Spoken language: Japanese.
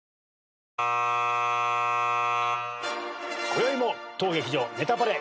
こよいも当劇場『ネタパレ』